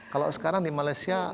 kalau sekarang di malaysia